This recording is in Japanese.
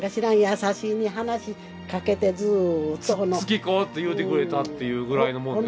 「月子」って言うてくれたっていうぐらいのもんですか？